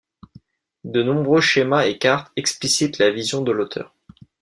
De nombreux schémas et cartes explicitent la vision de l'auteur.